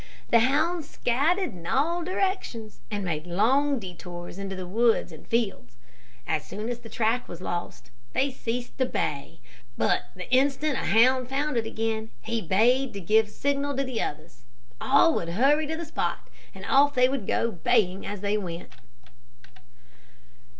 The hounds scattered in all directions, and made long detours into the woods and fields. As soon as the track was lost, they ceased to bay, but the instant a hound found it again, he bayed to give the signal to the others. All would hurry to the spot, and off they would go baying as they went.